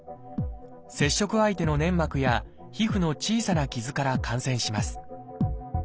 接触相手の粘膜や皮膚の小さな傷から感染します。